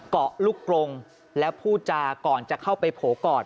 เกาะลูกกรงแล้วพูดจาก่อนจะเข้าไปโผล่กอด